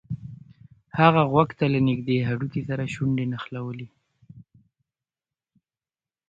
هغه غوږ ته له نږدې هډوکي سره شونډې نښلولې